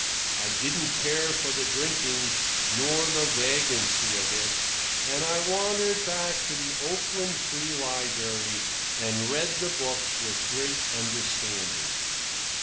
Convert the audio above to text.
I didn't care for the drinking, nor the vagrancy of it, and I wandered back to the Oakland Free Library and read the books with greater understanding.